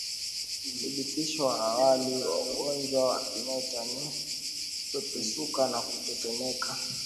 Uthibitisho wa awali wa ugonjwa wa kimeta ni kupepesuka na kutetemeka